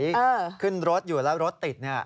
ที่ไหนขึ้นรถอยู่แล้วรถติด